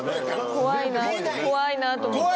怖いな怖いなと思って。